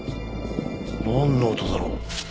なんの音だろう？